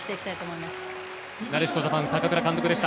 なでしこジャパン高倉監督でした。